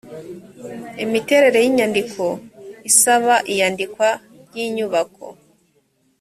imiterere y inyandiko isaba iyandikwa ry inyubako